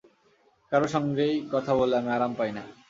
কারও সঙ্গেই কথা বলে আমি আরাম পাই না।